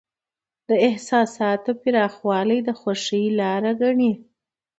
د احساساتو پراخوالی د خوښۍ لاره ګڼي.